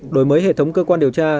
đổi mới hệ thống cơ quan điều tra